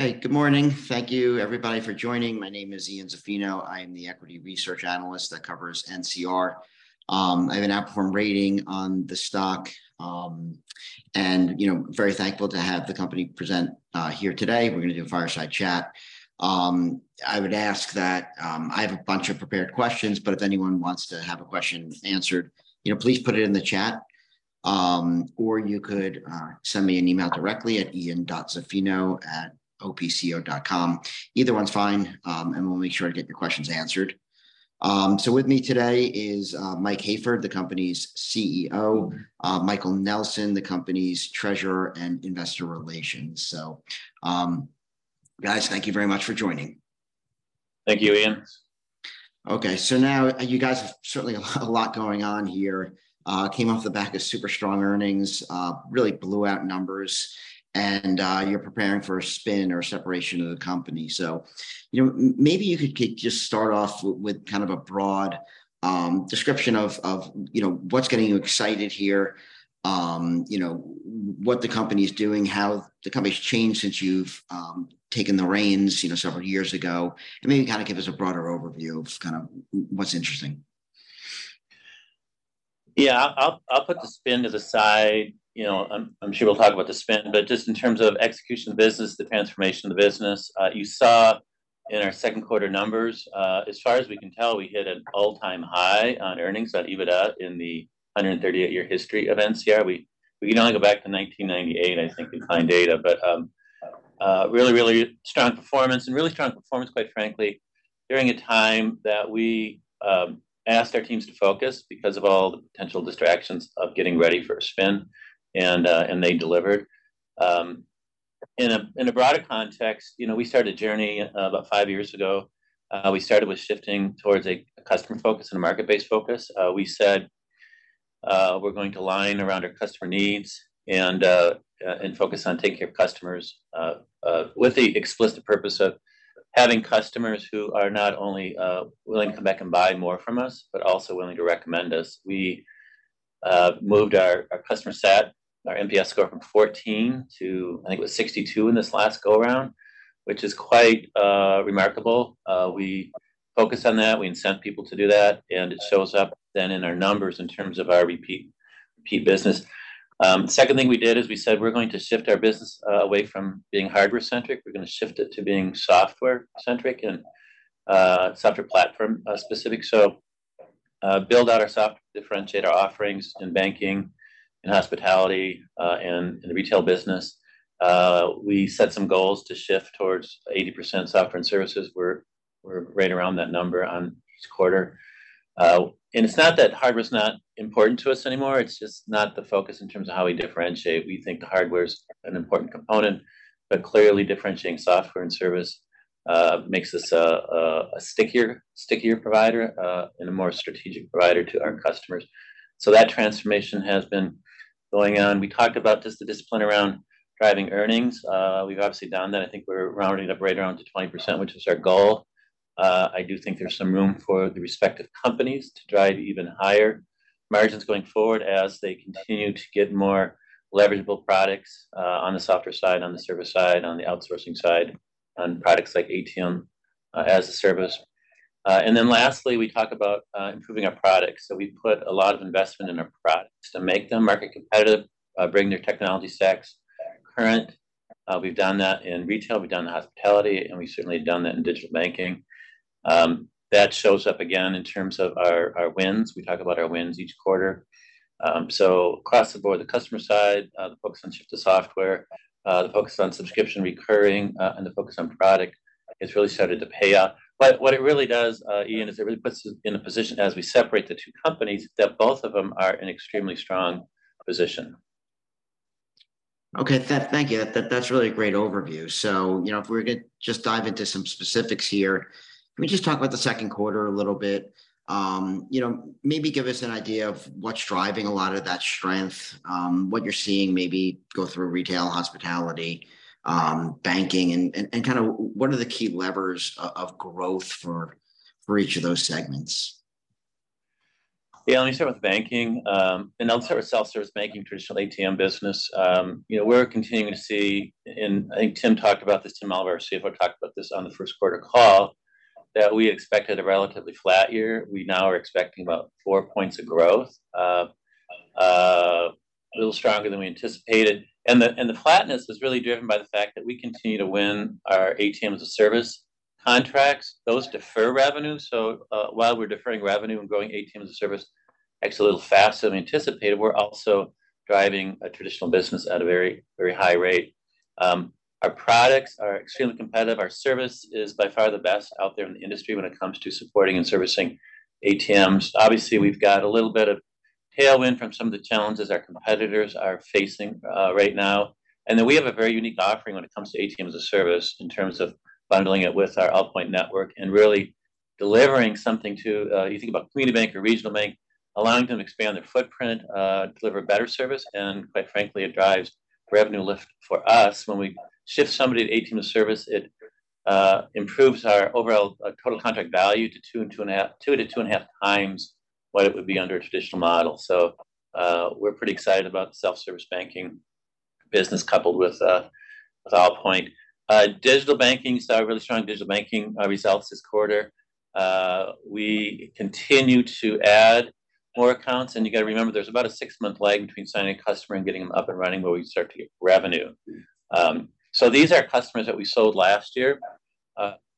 Hey, good morning. Thank you, everybody, for joining. My name is Ian Zaffino. I am the equity research analyst that covers NCR. I have an outperform rating on the stock, and, you know, very thankful to have the company present here today. We're gonna do a fireside chat. I would ask that, I have a bunch of prepared questions, but if anyone wants to have a question answered, you know, please put it in the chat, or you could send me an email directly at ian.zaffino@opco.com. Either one's fine. We'll make sure to get your questions answered. With me today is Mike Hayford, the company's CEO, Michael Nelson, the company's treasurer and investor relations. Guys, thank you very much for joining. Thank you, Ian. Okay, now you guys have certainly a, a lot going on here. Came off the back of super strong earnings, really blew out numbers and you're preparing for a spin or separation of the company. You know, m- maybe you could c- just start off w- with kind of a broad description of, of, you know, what's getting you excited here, you know, what the company's doing, how the company's changed since you've taken the reins, you know, several years ago, and maybe kind of give us a broader overview of kind of w- what's interesting. Yeah, I'll, I'll put the spin to the side. You know, I'm, I'm sure we'll talk about the spin, but just in terms of execution of business, the transformation of the business, you saw in our second quarter numbers, as far as we can tell, we hit an all-time high on earnings, on EBITDA, in the 138-year history of NCR. We, we can only go back to 1998, I think, to find data, but really, really strong performance and really strong performance, quite frankly, during a time that we asked our teams to focus because of all the potential distractions of getting ready for a spin, and they delivered. In a, in a broader context, you know, we started a journey about five years ago. We started with shifting towards a, a customer focus and a market-based focus. We said, we're going to line around our customer needs and focus on taking care of customers with the explicit purpose of having customers who are not only willing to come back and buy more from us, but also willing to recommend us. We moved our customer sat, our NPS score from 14 to, I think it was 62 in this last go around, which is quite remarkable. We focused on that, we incent people to do that, it shows up then in our numbers in terms of our repeat, repeat business. Second thing we did is we said, we're going to shift our business away from being hardware-centric. We're gonna shift it to being software-centric and software platform specific. Build out our software, differentiate our offerings in banking, in hospitality, and in the retail business. We set some goals to shift towards 80% software and services. We're, we're right around that number on this quarter. And it's not that hardware's not important to us anymore, it's just not the focus in terms of how we differentiate. We think the hardware is an important component, but clearly differentiating software and service makes us a, a, a stickier, stickier provider and a more strategic provider to our customers. That transformation has been going on. We talked about just the discipline around driving earnings. We've obviously done that. I think we're rounding up right around to 20%, which is our goal. I do think there's some room for the respective companies to drive even higher margins going forward as they continue to get more leveragable products, on the software side, on the service side, on the outsourcing side, on products like ATM as a Service. Lastly, we talk about improving our products. We put a lot of investment in our products to make them market competitive, bring their technology stacks current. We've done that in retail, we've done in hospitality, and we've certainly done that in digital banking. That shows up again in terms of our, our wins. We talk about our wins each quarter. Across the board, the customer side, the focus on shift to software, the focus on subscription recurring, and the focus on product, it's really started to pay off. What it really does, Ian, is it really puts us in a position as we separate the two companies, that both of them are in extremely strong position. Okay, thank you. That, that's really a great overview. You know, if we're gonna just dive into some specifics here, let me just talk about the second quarter a little bit. You know, maybe give us an idea of what's driving a lot of that strength, what you're seeing, maybe go through retail, hospitality, banking, and, and, kind of what are the key levers of growth for, for each of those segments? Yeah, let me start with banking. I'll start with self-service banking, traditional ATM business. You know, we're continuing to see, and I think Tim talked about this, Tim Oliver, Chief Financial Officer, talked about this on the first quarter call, that we expected a relatively flat year. We now are expecting about 4 points of growth, a little stronger than we anticipated. The flatness is really driven by the fact that we continue to win our ATM as a Service contracts. Those defer revenue, so, while we're deferring revenue and growing ATM as a Service actually a little faster than we anticipated, we're also driving a traditional business at a very, very high rate. Our products are extremely competitive. Our service is by far the best out there in the industry when it comes to supporting and servicing ATMs. Obviously, we've got a little bit of tailwind from some of the challenges our competitors are facing, right now. We have a very unique offering when it comes to ATM as a Service, in terms of bundling it with our Allpoint etwork and really delivering something to, you think about community bank or regional bank, allowing them to expand their footprint, deliver better service, and quite frankly, it drives revenue lift for us. When we shift somebody to ATM as a Service, it improves our overall total contract value to 2 and 2.5, 2 to 2.5 times what it would be under a traditional model. We're pretty excited about the self-service banking business, coupled with Allpoint. Digital banking, saw a really strong digital banking results this quarter. We continue to add more accounts, you got to remember, there's about a 6-month lag between signing a customer and getting them up and running, where we start to get revenue. These are customers that we sold last year,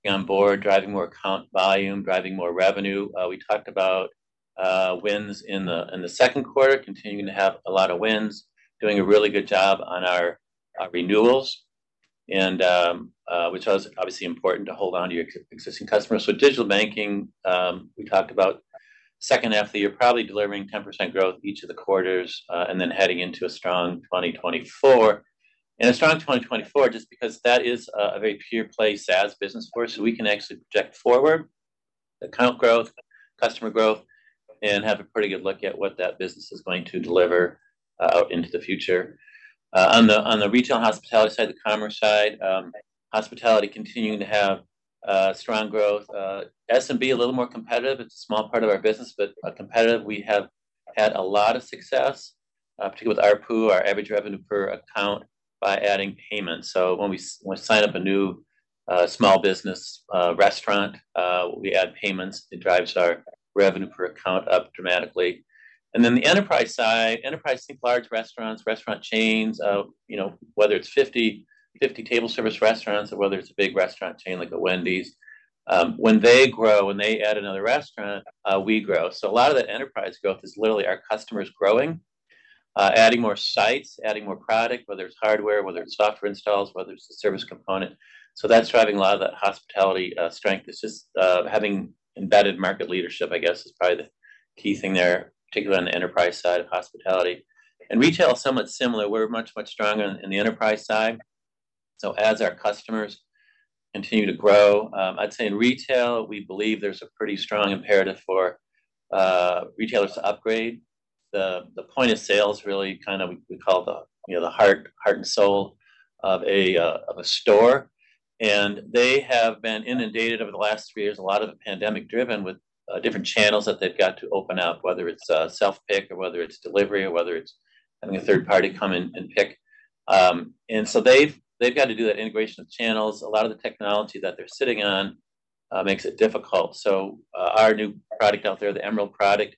on board, driving more account volume, driving more revenue. We talked about wins in the second quarter, continuing to have a lot of wins, doing a really good job on our renewals, and which is obviously important to hold on to your existing customers. Digital banking, we talked about second half of the year, probably delivering 10% growth each of the quarters, and then heading into a strong 2024. A strong 2024, just because that is a very pure play SaaS business for us, so we can actually project forward the account growth, customer growth, and have a pretty good look at what that business is going to deliver out into the future. On the, on the retail hospitality side, the commerce side, hospitality continuing to have strong growth. SMB, a little more competitive. It's a small part of our business, but competitive. We have had a lot of success, particularly with ARPU, our average revenue per account, by adding payments. When we sign up a new small business restaurant, we add payments, it drives our revenue per account up dramatically. Then the enterprise side. Enterprise, think large restaurants, restaurant chains, you know, whether it's 50/50 table service restaurants or whether it's a big restaurant chain like a Wendy's. When they grow and they add another restaurant, we grow. A lot of that enterprise growth is literally our customers growing, adding more sites, adding more product, whether it's hardware, whether it's software installs, whether it's the service component. That's driving a lot of that hospitality strength. It's just having embedded market leadership, I guess, is probably the key thing there, particularly on the enterprise side of hospitality. Retail is somewhat similar. We're much, much stronger in the enterprise side. As our customers continue to grow, I'd say in retail, we believe there's a pretty strong imperative for retailers to upgrade. The, the point of sale is really kind of we call the, you know, the heart, heart and soul of a store. They have been inundated over the last 3 years, a lot of it pandemic-driven, with different channels that they've got to open up, whether it's self-pick, or whether it's delivery, or whether it's having a third party come in and pick. They've, they've got to do that integration of channels. A lot of the technology that they're sitting on makes it difficult. Our new product out there, the NCR Emerald product,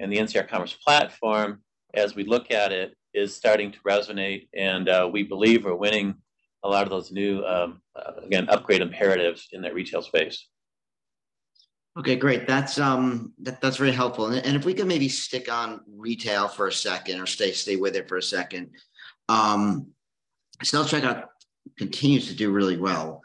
and the NCR Commerce Platform, as we look at it, is starting to resonate, and we believe we're winning a lot of those new, again, upgrade imperatives in that retail space. Okay, great. That's, that, that's very helpful. If we could maybe stick on retail for a second, or stay, stay with it for a second. Self-checkout continues to do really well.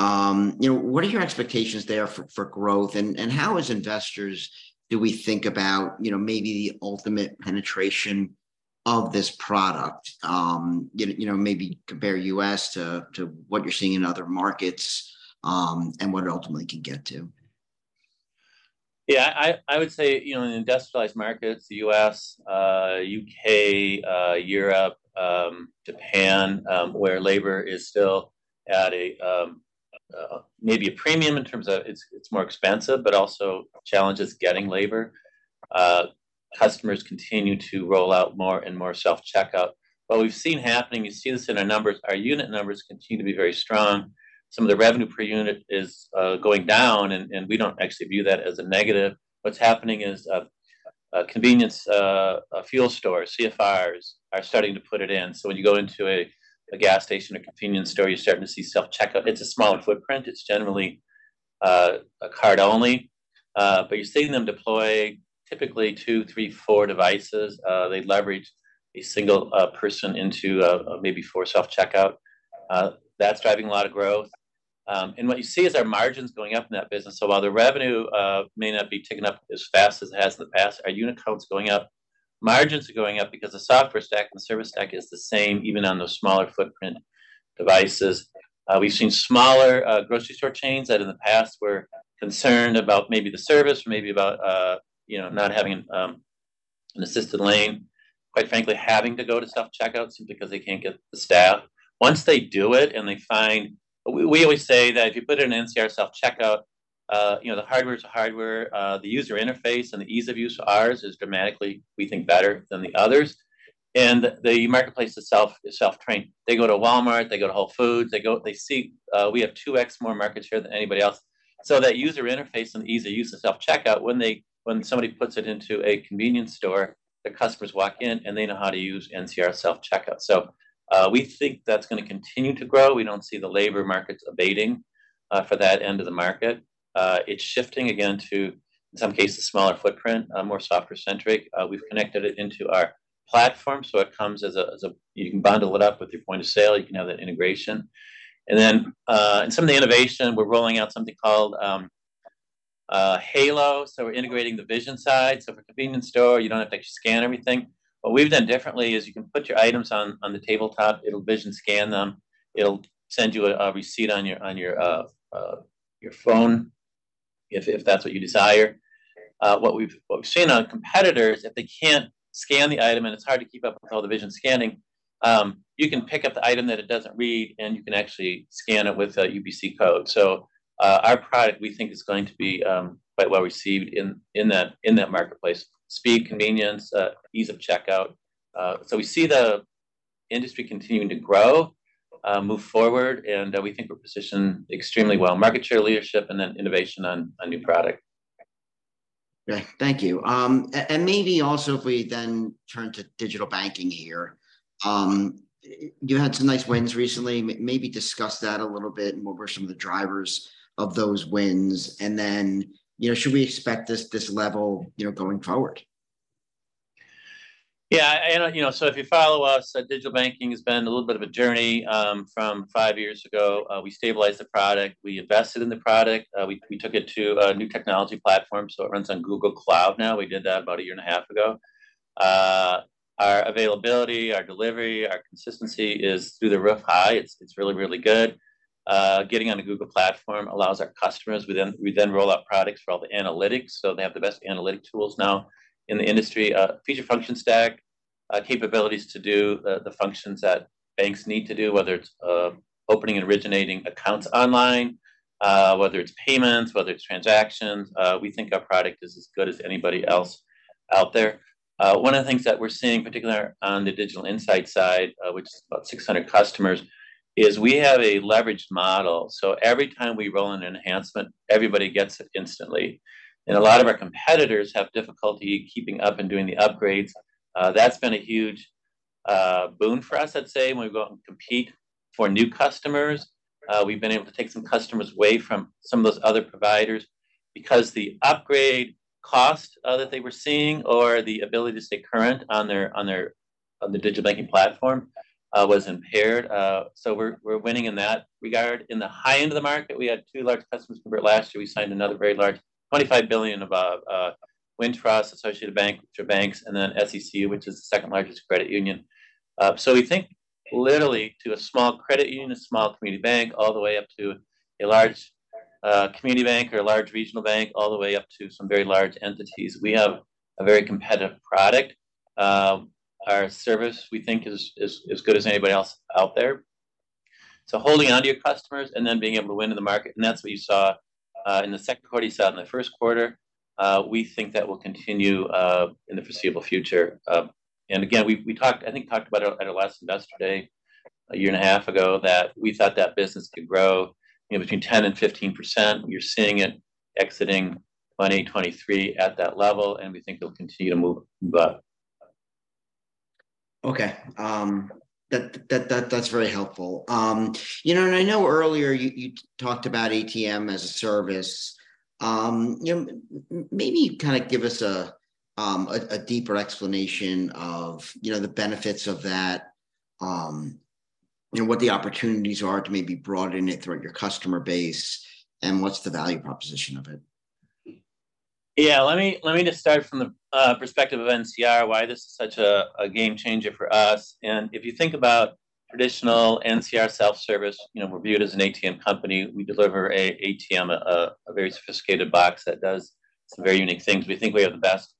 You know, what are your expectations there for, for growth? How, as investors, do we think about, you know, maybe the ultimate penetration of this product? You know, maybe compare U.S. to, to what you're seeing in other markets, and what it ultimately can get to? Yeah, I, I would say, you know, in industrialized markets, the U.S., U.K., Europe, Japan, where labor is still at a maybe a premium in terms of it's more expensive, but also challenges getting labor, customers continue to roll out more and more self-checkout. What we've seen happening, you see this in our numbers, our unit numbers continue to be very strong. Some of the revenue per unit is going down, and we don't actually view that as a negative. What's happening is a convenience fuel store, CFRs, are starting to put it in. When you go into a gas station or convenience store, you're starting to see self-checkout. It's a smaller footprint. It's generally a card only, but you're seeing them deploy typically two, three, four devices. They leverage a single person into maybe 4 self-checkout. That's driving a lot of growth. What you see is our margins going up in that business. While the revenue may not be ticking up as fast as it has in the past, our unit count is going up. Margins are going up because the software stack and the service stack is the same, even on the smaller footprint devices. We've seen smaller grocery store chains that in the past were concerned about maybe the service, maybe about, you know, not having an assisted lane, quite frankly, having to go to self-checkout simply because they can't get the staff. Once they do it and they find... We, we always say that if you put in an NCR self-checkout, you know, the hardware is the hardware, the user interface and the ease of use of ours is dramatically, we think, better than the others. The marketplace is self, is self-trained. They go to Walmart, they go to Whole Foods, they go. They see, we have 2x more market share than anybody else. That user interface and the ease of use of self-checkout, when somebody puts it into a convenience store, the customers walk in, and they know how to use NCR self-checkout. We think that's gonna continue to grow. We don't see the labor markets abating for that end of the market. It's shifting again to, in some cases, smaller footprint, more software-centric. We've connected it into our platform, so it comes as a. You can bundle it up with your point of sale, you can have that integration. Then, in some of the innovation, we're rolling out something called Halo. We're integrating the vision side. For convenience store, you don't have to scan everything. What we've done differently is you can put your items on the tabletop, it'll vision scan them, it'll send you a receipt on your, on your, your phone if that's what you desire. What we've seen on competitors, if they can't scan the item, and it's hard to keep up with all the vision scanning, you can pick up the item that it doesn't read, and you can actually scan it with a UPC code. Our product, we think, is going to be, quite well received in, in that, in that marketplace. Speed, convenience, ease of checkout. We see the industry continuing to grow, move forward, and, we think we're positioned extremely well. Market share leadership, and then innovation on, on new product. Right. Thank you. Maybe also if we then turn to digital banking here. You had some nice wins recently. Maybe discuss that a little bit, and what were some of the drivers of those wins, and then, you know, should we expect this, this level, you know, going forward? Yeah, you know, so if you follow us, digital banking has been a little bit of a journey. From five years ago, we stabilized the product, we invested in the product. We, we took it to a new technology platform, so it runs on Google Cloud now. We did that about a year and a half ago. Our availability, our delivery, our consistency is through the roof high. It's, it's really, really good. Getting on the Google platform allows our customers- we then, we then roll out products for all the analytics, so they have the best analytic tools now in the industry. Feature function stack, capabilities to do the, the functions that banks need to do, whether it's opening and originating accounts online, whether it's payments, whether it's transactions, we think our product is as good as anybody else out there. One of the things that we're seeing, particularly on the Digital Insight side, which is about 600 customers, is we have a leveraged model. Every time we roll in an enhancement, everybody gets it instantly. A lot of our competitors have difficulty keeping up and doing the upgrades. That's been a huge boon for us, I'd say, when we go out and compete for new customers. We've been able to take some customers away from some of those other providers because the upgrade cost that they were seeing, or the ability to stay current on the digital banking platform, was impaired. We're, we're winning in that regard. In the high end of the market, we had 2 large customers convert last year. We signed another very large, $25 billion of Wintrust, Associated Bank, which are banks, and then SECU, which is the second largest credit union. We think literally to a small credit union, a small community bank, all the way up to a large community bank or a large regional bank, all the way up to some very large entities. We have a very competitive product. Our service, we think, is, is as good as anybody else out there. Holding onto your customers and then being able to win in the market, and that's what you saw in the second quarter, you saw in the first quarter. We think that will continue in the foreseeable future. Again, we talked, I think, talked about it at our last investor day, a year and a half ago, that we thought that business could grow between 10% and 15%. We're seeing it exiting 2023 at that level, and we think it'll continue to move above. Okay. That, that, that's very helpful. You know, I know earlier you, you talked about ATM as a Service. You know, m-maybe kind of give us a, a, a deeper explanation of, you know, the benefits of that, you know, what the opportunities are to maybe broaden it throughout your customer base, and what's the value proposition of it? Yeah, let me, let me just start from the perspective of NCR, why this is such a game changer for us. If you think about traditional NCR self-service, you know, we're viewed as an ATM company. We deliver a ATM, a very sophisticated box that does some very unique things. We think we have the best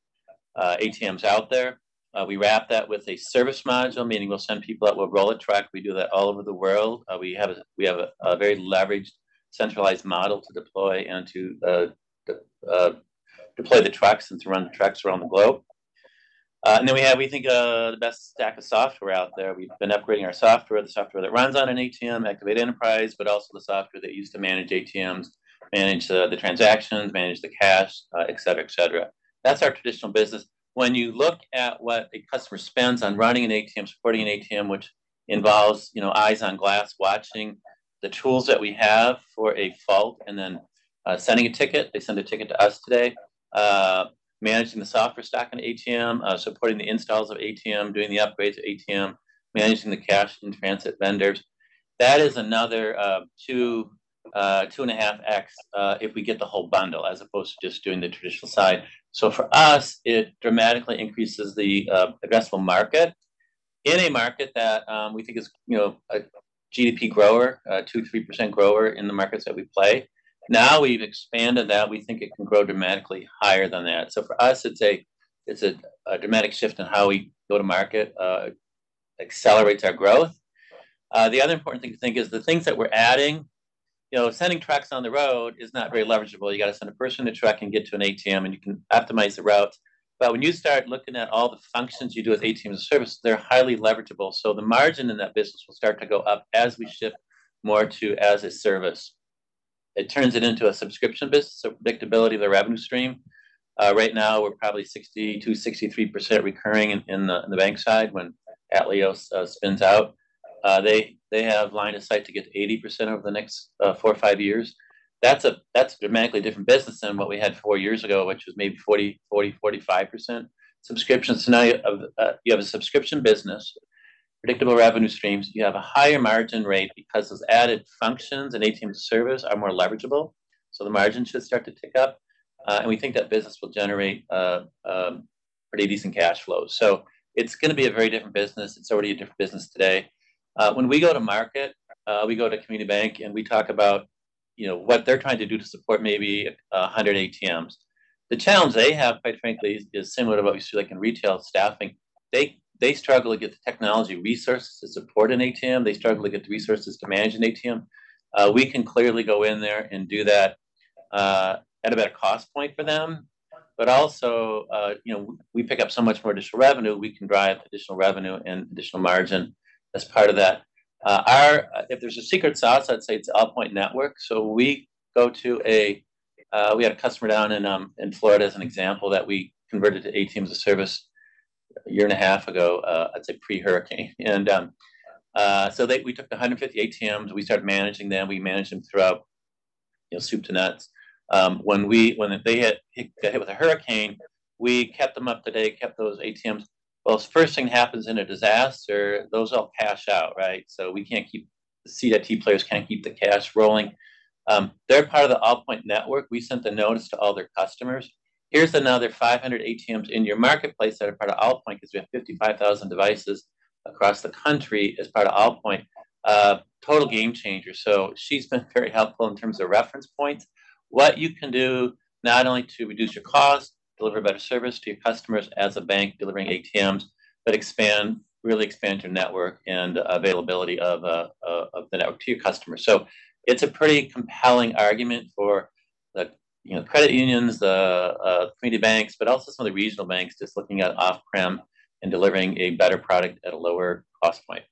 ATMs out there. We wrap that with a service module, meaning we'll send people out, we'll roll a truck. We do that all over the world. We have a very leveraged, centralized model to deploy and to deploy the trucks and to run the trucks around the globe. And then we have, we think, the best stack of software out there. We've been upgrading our software, the software that runs on an ATM, Activate Enterprise, but also the software they use to manage ATMs, manage the, the transactions, manage the cash, et cetera, et cetera. That's our traditional business. When you look at what a customer spends on running an ATM, supporting an ATM, which involves, you know, eyes on glass, watching the tools that we have for a fault, and then, sending a ticket, they send a ticket to us today, managing the software stack on ATM, supporting the installs of ATM, doing the upgrades of ATM, managing the cash in transit vendors. That is another 2, 2.5x, if we get the whole bundle, as opposed to just doing the traditional side. For us, it dramatically increases the addressable market. In a market that, we think is, you know, a GDP grower, a 2, 3% grower in the markets that we play. Now that we've expanded that, we think it can grow dramatically higher than that. For us, it's a, it's a, a dramatic shift in how we go to market, accelerates our growth. The other important thing to think is the things that we're adding. You know, sending trucks on the road is not very leverageable. You got to send a person in a truck and get to an ATM, and you can optimize the route. When you start looking at all the functions you do with ATM as a Service, they're highly leverageable. The margin in that business will start to go up as we shift more to as a service. It turns it into a subscription business, so predictability of the revenue stream. Right now, we're probably 60%-63% recurring in, in the, in the bank side when NCR Atleos spins out. They have line of sight to get 80% over the next 4 or 5 years. That's a dramatically different business than what we had 4 years ago, which was maybe 40%-45%. Subscriptions, now you have a subscription business, predictable revenue streams. You have a higher margin rate because those added functions and ATM as a Service are more leverageable, so the margin should start to tick up. We think that business will generate pretty decent cash flow. It's gonna be a very different business. It's already a different business today. When we go to market, we go to community bank, and we talk about, you know, what they're trying to do to support maybe, 100 ATMs. The challenge they have, quite frankly, is, is similar to what we see, like, in retail staffing. They, they struggle to get the technology resources to support an ATM. They struggle to get the resources to manage an ATM. We can clearly go in there and do that at a better cost point for them. Also, you know, we pick up so much more additional revenue. We can drive additional revenue and additional margin as part of that. Our-- if there's a secret sauce, I'd say it's Allpoint network. We go to a... We had a customer down in Florida as an example, that we converted to ATM as a Service a year and a half ago, I'd say pre-hurricane. We took 150 ATMs, we started managing them. We managed them throughout, you know, soup to nuts. When they got hit with a hurricane, we kept them up to date, kept those ATMs. Well, the first thing happens in a disaster, those all cash out, right? We can't keep... the CIT players can't keep the cash rolling. They're part of the Allpoint network. We sent a notice to all their customers, "Here's another 500 ATMs in your marketplace that are part of Allpoint," 'cause we have 55,000 devices across the country as part of Allpoint. Total game changer. She's been very helpful in terms of reference points. What you can do, not only to reduce your costs, deliver better service to your customers as a bank, delivering ATMs, but expand, really expand your network and availability of the network to your customers. It's a pretty compelling argument for the, you know, credit unions, the community banks, but also some of the regional banks just looking at off-prem and delivering a better product at a lower cost point.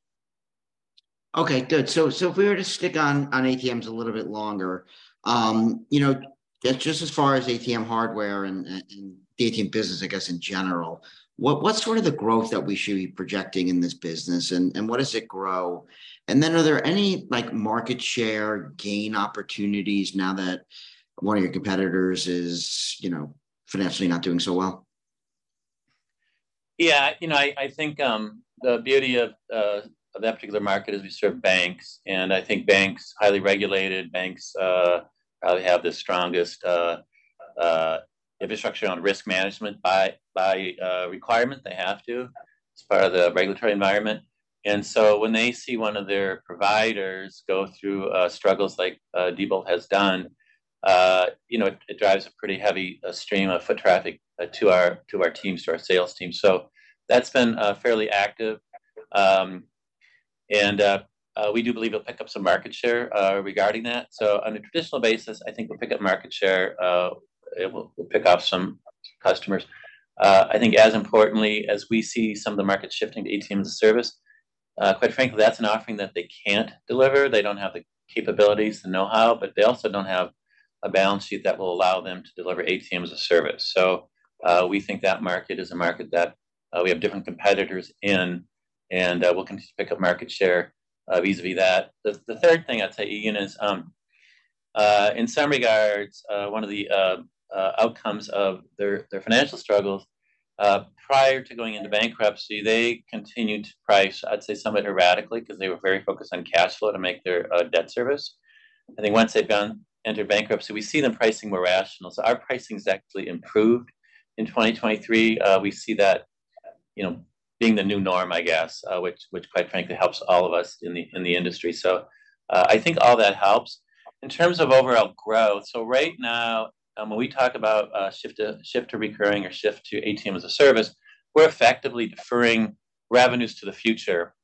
Okay, good. If we were to stick on, on ATMs a little bit longer, you know, just, just as far as ATM hardware and, and, and the ATM business, I guess, in general, what, what's sort of the growth that we should be projecting in this business, and, and what does it grow? Are there any, like, market share gain opportunities now that one of your competitors is, you know, financially not doing so well? Yeah, you know, I, I think the beauty of that particular market is we serve banks, and I think banks, highly regulated banks, probably have the strongest infrastructure on risk management by requirement. They have to, as part of the regulatory environment. When they see one of their providers go through struggles like Diebold has done, you know, it drives a pretty heavy stream of foot traffic to our, to our teams, to our sales team. That's been fairly active. We do believe it'll pick up some market share regarding that. On a traditional basis, I think we'll pick up market share, it will pick up some customers. I think as importantly, as we see some of the market shifting to ATM as a service, quite frankly, that's an offering that they can't deliver. They don't have the capabilities, the know-how, but they also don't have a balance sheet that will allow them to deliver ATM as a service. We think that market is a market that we have different competitors in, and we'll continue to pick up market share vis-à-vis that. The, the third thing I'd say, Ian, is, in some regards, one of the outcomes of their, their financial struggles, prior to going into bankruptcy, they continued to price, I'd say, somewhat erratically, because they were very focused on cash flow to make their debt service. I think once they've entered bankruptcy, we see them pricing more rational. Our pricing has actually improved in 2023. We see that being the new norm, I guess, which, which, quite frankly, helps all of us in the, in the industry. I think all that helps. In terms of overall growth, when we talk about shift to, shift to recurring or shift to ATM as a Service, we're effectively deferring revenues to the future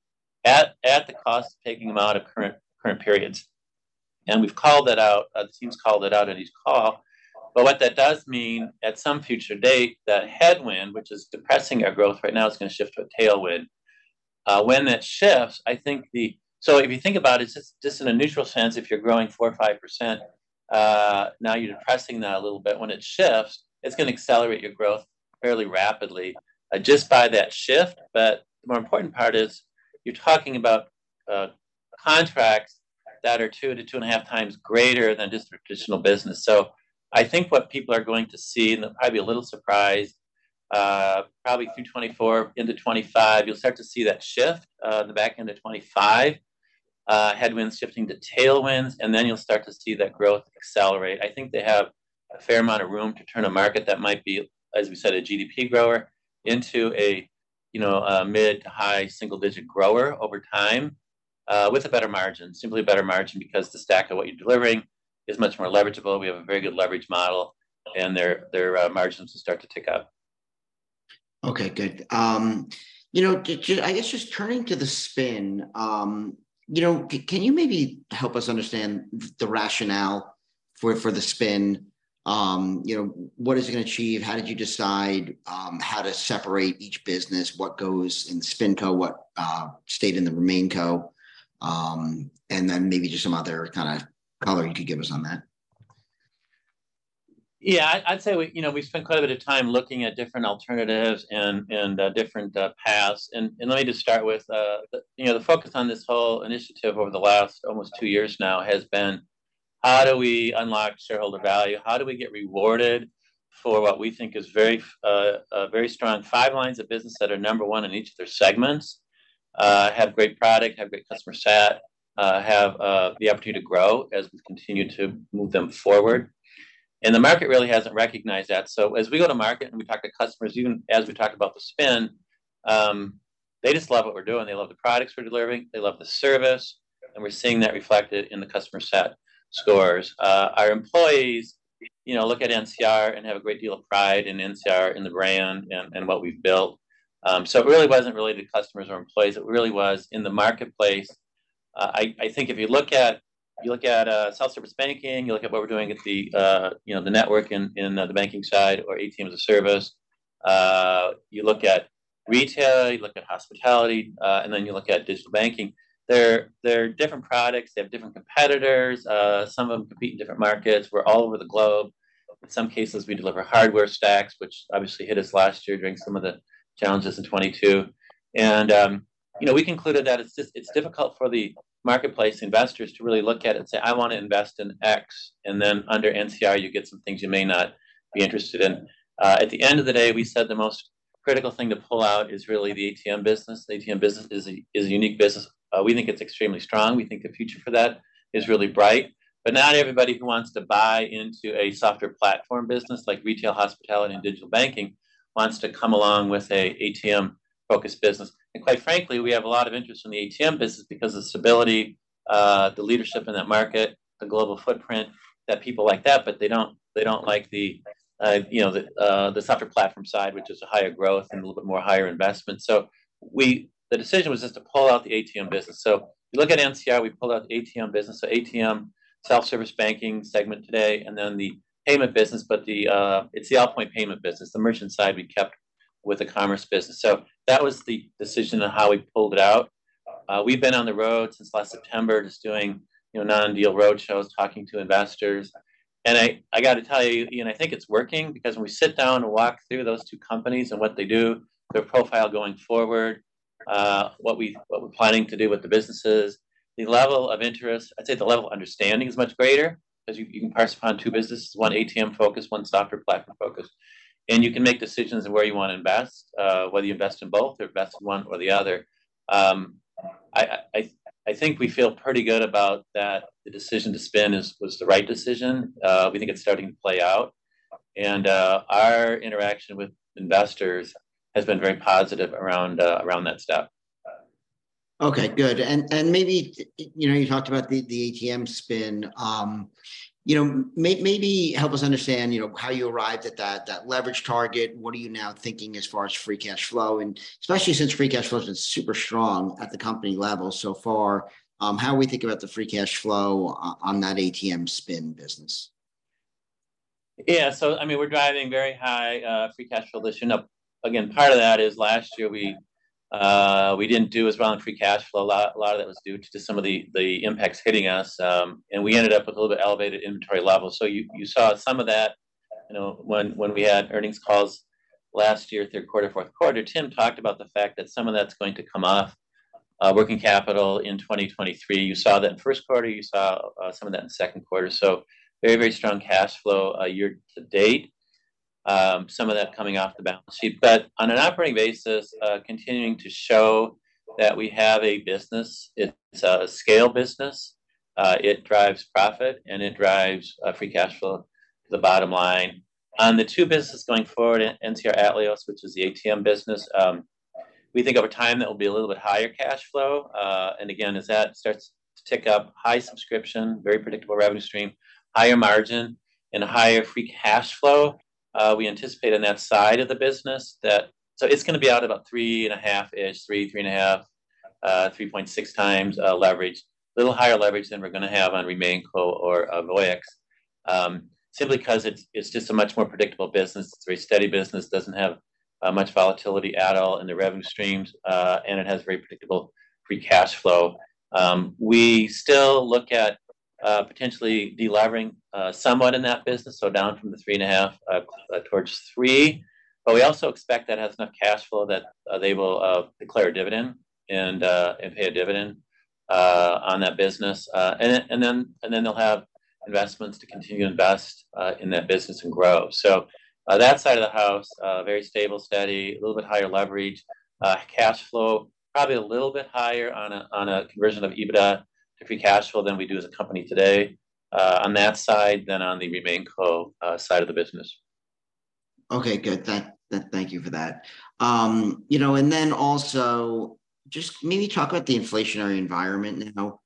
at, at the cost of taking them out of current, current periods. We've called that out, the team's called it out at each call. What that does mean, at some future date, that headwind, which is depressing our growth right now, is gonna shift to a tailwind. When that shifts, I think the... If you think about it, just, just in a neutral sense, if you're growing 4%-5%, now you're depressing that a little bit. When it shifts, it's gonna accelerate your growth fairly rapidly, just by that shift. The more important part is, you're talking about contracts that are 2-2.5x greater than just traditional business. I think what people are going to see, and they'll probably be a little surprised, probably through 2024 into 2025, you'll start to see that shift, in the back end of 2025, headwinds shifting to tailwinds, and then you'll start to see that growth accelerate. I think they have a fair amount of room to turn a market that might be, as we said, a GDP grower, into a, you know, a mid to high single-digit grower over time, with a better margin. Simply a better margin, because the stack of what you're delivering is much more leverageable. We have a very good leverage model, and their, their, margins will start to tick up. Okay, good. You know, I guess just turning to the spin, you know, can you maybe help us understand the rationale for, for the spin? You know, what is it gonna achieve? How did you decide, how to separate each business? What goes in the spin co? What stayed in the remain co? Maybe just some other kinda color you could give us on that? Yeah, I'd say we, you know, we spent quite a bit of time looking at different alternatives and, and different paths. Let me just start with, you know, the focus on this whole initiative over the last almost 2 years now has been: How do we unlock shareholder value? How do we get rewarded-... for what we think is very, a very strong 5 lines of business that are number one in each of their segments. Have great product, have great customer sat, have the opportunity to grow as we continue to move them forward. The market really hasn't recognized that. As we go to market, and we talk to customers, even as we talk about the spin, they just love what we're doing. They love the products we're delivering, they love the service, and we're seeing that reflected in the customer sat scores. Our employees, you know, look at NCR and have a great deal of pride in NCR, in the brand, and what we've built. It really wasn't really the customers or employees, it really was in the marketplace. I think if you look at self-service banking, you look at what we're doing at the, you know, the network in the banking side or ATM as a Service. You look at retail, you look at hospitality, and then you look at digital banking. They're, they're different products, they have different competitors. Some of them compete in different markets. We're all over the globe. In some cases, we deliver hardware stacks, which obviously hit us last year during some of the challenges in 2022. You know, we concluded that it's just it's difficult for the marketplace investors to really look at it and say, "I wanna invest in X," and then under NCR, you get some things you may not be interested in. At the end of the day, we said the most critical thing to pull out is really the ATM business. The ATM business is a, is a unique business. We think it's extremely strong. We think the future for that is really bright. Not everybody who wants to buy into a software platform business, like retail, hospitality, and digital banking, wants to come along with a ATM-focused business. Quite frankly, we have a lot of interest in the ATM business because of the stability, the leadership in that market, the global footprint, that people like that, but they don't, they don't like the, the software platform side, which is a higher growth and a little bit more higher investment. The decision was just to pull out the ATM business. If you look at NCR, we pulled out the ATM business. ATM, self-service banking segment today, and then the payment business, but it's the Allpoint payment business. The merchant side, we kept with the commerce business. That was the decision on how we pulled it out. We've been on the road since last September, just doing, non-deal roadshows, talking to investors. I got to tell you, Ian, I think it's working because when we sit down and walk through those two companies and what they do, their profile going forward, what we, what we're planning to do with the businesses, the level of interest. I'd say the level of understanding is much greater, as you can parse upon two businesses, one ATM-focused, one software platform-focused. You can make decisions on where you want to invest, whether you invest in both or invest in one or the other. I think we feel pretty good about that. The decision to spin was the right decision. We think it's starting to play out, and our interaction with investors has been very positive around that step. Okay, good. Maybe, you know, you talked about the ATM spin. You know, maybe help us understand, you know, how you arrived at that leverage target. What are you now thinking as far as free cash flow? Especially since free cash flow has been super strong at the company level so far, how are we thinking about the free cash flow on that ATM spin business? Yeah. I mean, we're driving very high free cash flow this year. Now, again, part of that is last year we, we didn't do as well on free cash flow. A lot, a lot of that was due to some of the impacts hitting us, and we ended up with a little bit elevated inventory levels. You, you saw some of that, you know, when, when we had earnings calls last year, third quarter, fourth quarter. Tim talked about the fact that some of that's going to come off working capital in 2023. You saw that in first quarter, you saw some of that in the second quarter. Very, very strong cash flow year to date. Some of that coming off the balance sheet. On an operating basis, continuing to show that we have a business, it's a scale business, it drives profit, and it drives free cash flow to the bottom line. On the two business going forward, NCR Atleos, which is the ATM business, we think over time, that will be a little bit higher cash flow. And again, as that starts to tick up, high subscription, very predictable revenue stream, higher margin, and a higher free cash flow, we anticipate on that side of the business that... It's gonna be out about 3 and a half-ish, 3, 3 and a half, 3.6 times leverage. Little higher leverage than we're gonna have on RemainCo or Voyix, simply 'cause it's, it's just a much more predictable business. It's a very steady business, doesn't have much volatility at all in the revenue streams, and it has very predictable free cash flow. We still look at potentially delevering somewhat in that business, so down from the 3.5 towards 3. We also expect that has enough cash flow that they will declare a dividend and pay a dividend on that business. Then, and then, and then they'll have investments to continue to invest in that business and grow. That side of the house, very stable, steady, a little bit higher leverage, cash flow, probably a little bit higher on a, on a conversion of EBITDA to free cash flow than we do as a company today, on that side than on the RemainCo, side of the business. Okay, good. Thank, thank you for that. You know, and then also, just maybe talk about the inflationary environment now.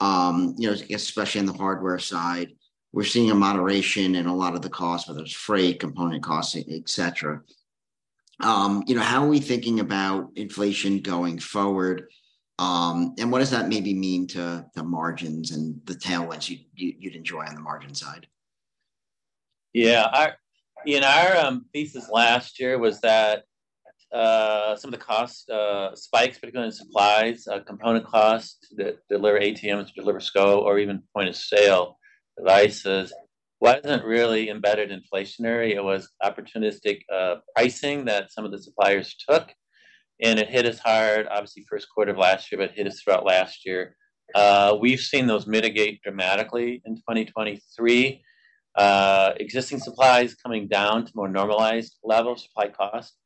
You know, especially in the hardware side, we're seeing a moderation in a lot of the costs, whether it's freight, component costs, et cetera. You know, how are we thinking about inflation going forward, and what does that maybe mean to the margins and the tailwinds you'd, you'd, you'd enjoy on the margin side? Yeah, our... Ian, our thesis last year was that some of the cost spikes, particularly in supplies, component costs, that deliver ATMs, deliver SCO, or even point-of-sale devices, wasn't really embedded inflationary. It was opportunistic pricing that some of the suppliers took, and it hit us hard, obviously, first quarter of last year, hit us throughout last year. We've seen those mitigate dramatically in 2023. Existing supplies coming down to more normalized levels, supply costs.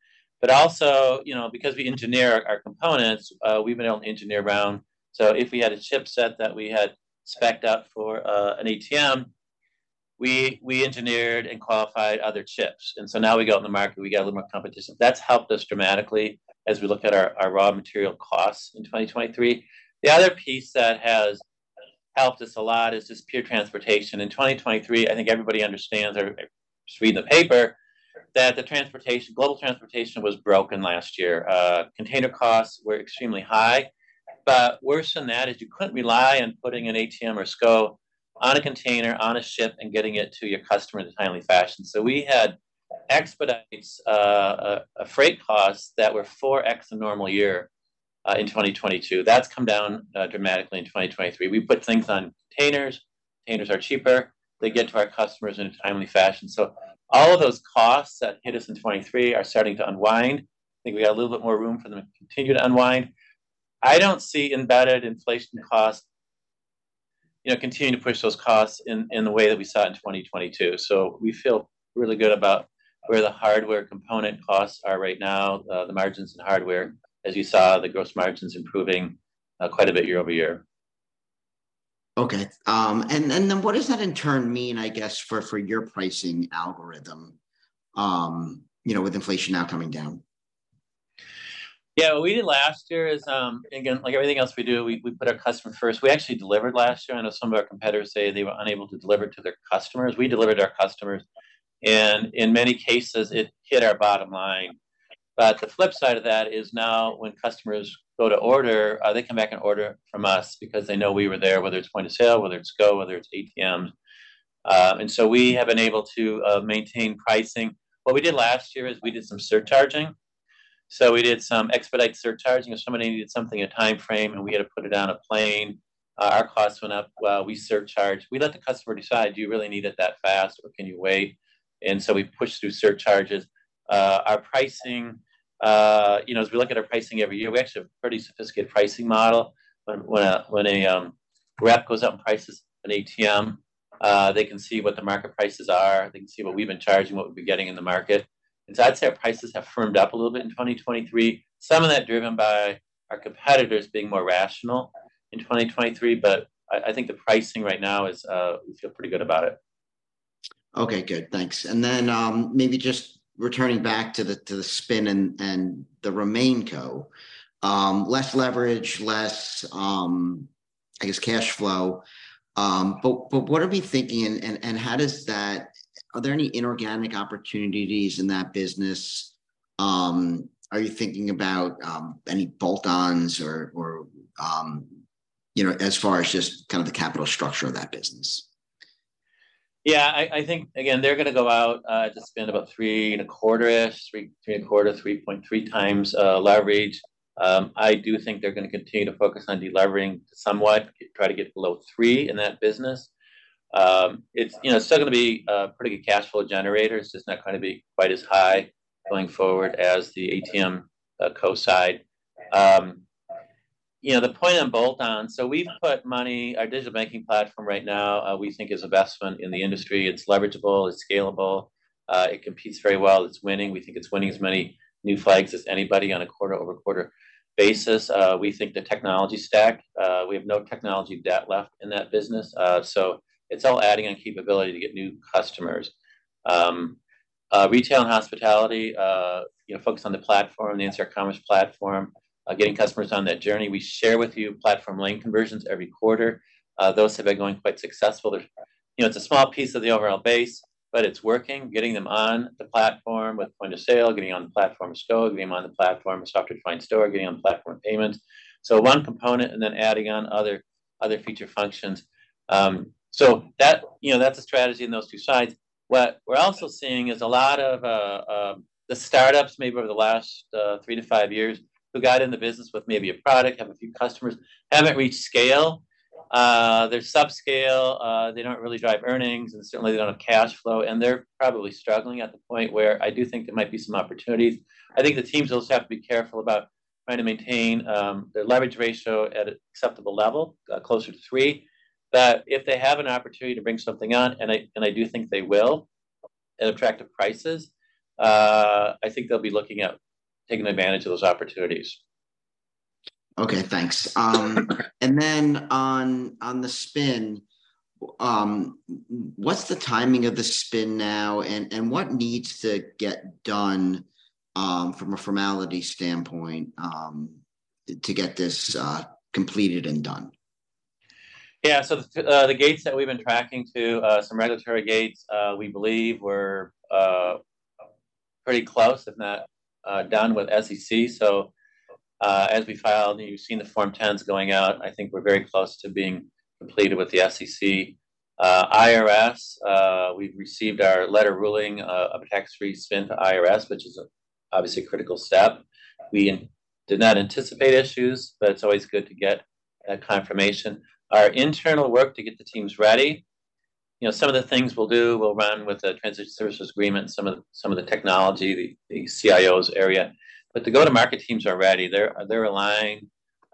Also, you know, because we engineer our components, we've been able to engineer around. If we had a chip set that we had spec'd up for an ATM, we, we engineered and qualified other chips. Now we go out in the market, we get a little more competition. That's helped us dramatically as we look at our, our raw material costs in 2023. The other piece that has helped us a lot is just pure transportation. In 2023, I think everybody understands or just read the paper, that global transportation was broken last year. Container costs were extremely high, but worse than that is you couldn't rely on putting an ATM or SCO on a container, on a ship, and getting it to your customer in a timely fashion. We had expedite freight costs that were 4x the normal year in 2022. That's come down dramatically in 2023. We put things on containers. Containers are cheaper. They get to our customers in a timely fashion. All of those costs that hit us in 2023 are starting to unwind. I think we got a little bit more room for them to continue to unwind. I don't see embedded inflation costs, you know, continuing to push those costs in, in the way that we saw in 2022. We feel really good about where the hardware component costs are right now, the margins in hardware, as you saw, the gross margins improving, quite a bit year-over-year. Okay, and then what does that in turn mean, I guess, for, for your pricing algorithm, you know, with inflation now coming down? Yeah, what we did last year is, again, like everything else we do, we, we put our customer first. We actually delivered last year. I know some of our competitors say they were unable to deliver to their customers. We delivered to our customers, and in many cases, it hit our bottom line. The flip side of that is now when customers go to order, they come back and order from us because they know we were there, whether it's point of sale, whether it's SCO, whether it's ATM. We have been able to maintain pricing. What we did last year is we did some surcharging. We did some expedite surcharging. If somebody needed something in a time frame, and we had to put it on a plane, our costs went up. Well, we surcharge. We let the customer decide, do you really need it that fast, or can you wait? So we pushed through surcharges. Our pricing, you know, as we look at our pricing every year, we actually have a pretty sophisticated pricing model. When a rep goes up in prices an ATM, they can see what the market prices are, they can see what we've been charging, what we've been getting in the market. So I'd say our prices have firmed up a little bit in 2023. Some of that driven by our competitors being more rational in 2023, but I think the pricing right now is, we feel pretty good about it. Okay, good. Thanks. Maybe just returning back to the, to the spin and, and the RemainCo. Less leverage, less, I guess, cash flow. What are we thinking? How does that-- are there any inorganic opportunities in that business? Are you thinking about, any bolt-ons or, or, you know, as far as just kind of the capital structure of that business? I think, again, they're gonna go out to spend about 3.25-3.3x leverage. I do think they're gonna continue to focus on deleveraging somewhat, try to get below 3 in that business. It's, you know, still gonna be a pretty good cash flow generator. It's just not gonna be quite as high going forward as the ATM Co. side. You know, the point on bolt-on, we've put money. Our digital banking platform right now, we think is investment in the industry. It's leverageable, it's scalable, it competes very well, it's winning. We think it's winning as many new flags as anybody on a quarter-over-quarter basis. We think the technology stack, we have no technology debt left in that business. So it's all adding on capability to get new customers. Retail and hospitality, you know, focus on the platform, the NCR Commerce Platform, getting customers on that journey. We share with you platform lane conversions every quarter. Those have been going quite successful. There's, you know, it's a small piece of the overall base, but it's working, getting them on the platform with point of sale, getting on the platform of SCO, getting them on the platform of Software Defined Store, getting on the platform of payments. So one component and then adding on other, other feature functions. So that, you know, that's a strategy in those two sides. What we're also seeing is a lot of the startups, maybe over the last 3 to 5 years, who got in the business with maybe a product, have a few customers, haven't reached scale. They're subscale, they don't really drive earnings, and certainly, they don't have cash flow, and they're probably struggling at the point where I do think there might be some opportunities. I think the teams also have to be careful about trying to maintain their leverage ratio at an acceptable level, closer to 3. If they have an opportunity to bring something on, and I, and I do think they will, at attractive prices, I think they'll be looking at taking advantage of those opportunities. Okay, thanks. Then on, on the spin, what's the timing of the spin now? And what needs to get done, from a formality standpoint, to get this, completed and done? The gates that we've been tracking to some regulatory gates, we believe were pretty close, if not done with SEC. As we filed, you've seen the Form 10s going out. I think we're very close to being completed with the SEC. IRS, we've received our letter ruling of a tax-free spin to IRS, which is a obviously critical step. We did not anticipate issues, but it's always good to get a confirmation. Our internal work to get the teams ready. You know, some of the things we'll do, we'll run with the Transition Services Agreement, some of, some of the technology, the CIO's area. The go-to-market teams are ready. They're, they're aligned.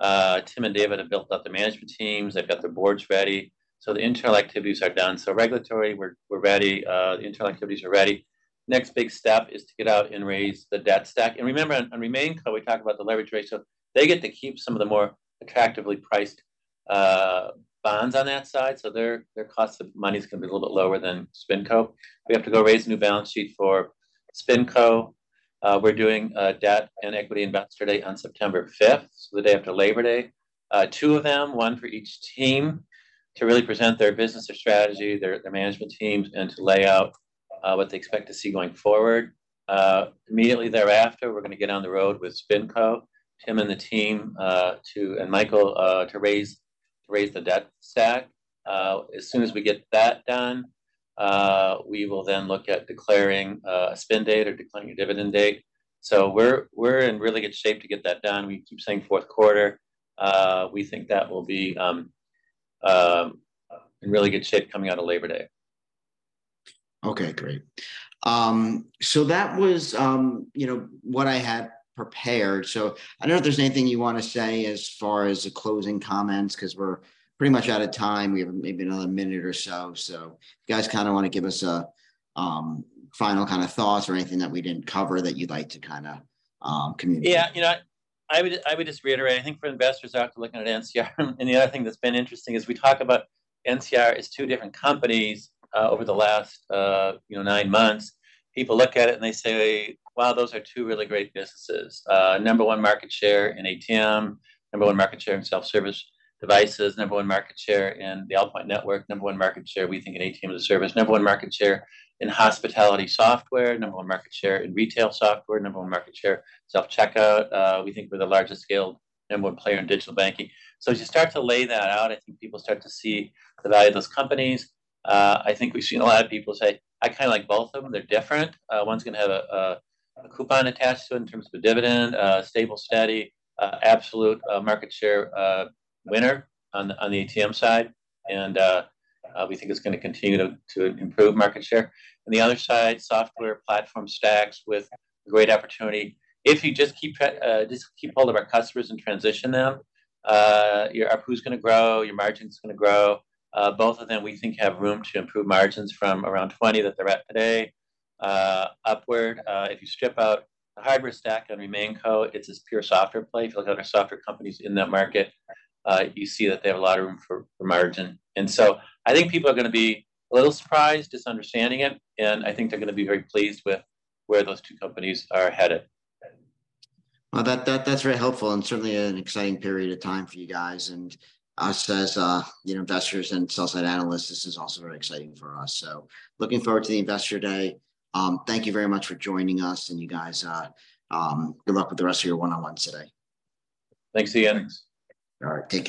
Tim and David have built out the management teams. They've got their boards ready. The internal activities are done. Regulatory, we're ready. The internal activities are ready. Next big step is to get out and raise the debt stack. Remember, on RemainCo, we talked about the leverage ratio. They get to keep some of the more attractively priced bonds on that side, so their cost of money is gonna be a little bit lower than SpinCo. We have to go raise a new balance sheet for SpinCo. We're doing a debt and equity investor day on September 5th, so the day after Labor Day. 2 of them, 1 for each team, to really present their business strategy, their management teams, and to lay out what they expect to see going forward. Immediately thereafter, we're gonna get on the road with SpinCo, Tim and the team, to... and Michael, to raise, to raise the debt stack. As soon as we get that done, we will then look at declaring a spin date or declaring a dividend date. We're, we're in really good shape to get that done. We keep saying fourth quarter. We think that will be in really good shape coming out of Labor Day. Okay, great. That was, you know, what I had prepared. I don't know if there's anything you wanna say as far as the closing comments, 'cause we're pretty much out of time. We have maybe another minute or so. If you guys kinda wanna give us a final kind of thoughts or anything that we didn't cover that you'd like to kinda communicate. Yeah, you know, I would, I would just reiterate, I think for investors out there looking at NCR. The other thing that's been interesting is we talk about NCR as two different companies, over the last, you know, nine months. People look at it and they say, "Wow, those are two really great businesses." number one market share in ATM, number one market share in self-service devices, number one market share in the Allpoint network, number one market share, we think, in ATM as a Service, number one market share in hospitality software, number one market share in retail software, number one market share, self-checkout. We think we're the largest scale number one player in digital banking. As you start to lay that out, I think people start to see the value of those companies. I think we've seen a lot of people say, "I kinda like both of them." They're different. One's gonna have a coupon attached to it in terms of a dividend, stable, steady, absolute, market share, winner on the ATM side. We think it's gonna continue to improve market share. On the other side, software platform stacks with great opportunity. If you just keep hold of our customers and transition them, your ARPU's gonna grow, your margin's gonna grow. Both of them, we think, have room to improve margins from around 20 that they're at today, upward. If you strip out the hardware stack on RemainCo, it's this pure software play. If you look at our software companies in that market, you see that they have a lot of room for, for margin. I think people are gonna be a little surprised, just understanding it, and I think they're gonna be very pleased with where those two companies are headed. Well, that, that, that's very helpful, and certainly an exciting period of time for you guys. Us as, you know, investors and sell-side analysts, this is also very exciting for us. Looking forward to the Investor Day. Thank you very much for joining us, and you guys, good luck with the rest of your one-on-ones today. Thanks, Ian. All right, take care.